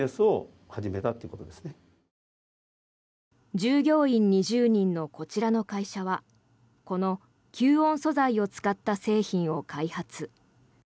従業員２０人のこちらの会社はこの吸音素材を使った製品を開発。